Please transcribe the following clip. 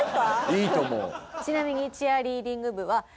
いいと思う。